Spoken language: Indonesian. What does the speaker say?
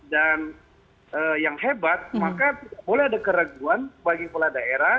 dan yang hebat maka tidak boleh ada kereguan bagi pola daerah